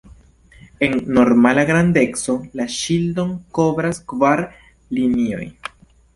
En normala grandeco, la ŝildon kovras kvar linioj.